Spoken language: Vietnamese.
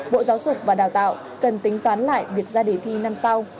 bộ giáo dục và đào tạo cần tính toán lại việc ra đề thi năm sau